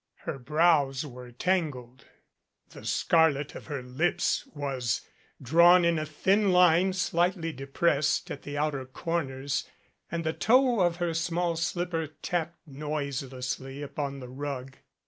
Her brows were tangled, the scarlet of her lips was drawn in a thin line slightly de pressed at the outer corners and the toe of her small slip per tapped noiselessly upon the rug.